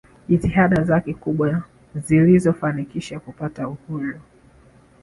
jitihada zake kubwa zilizo fanikisha kupata uhuru